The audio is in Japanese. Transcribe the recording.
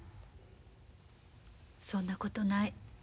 そんなことない。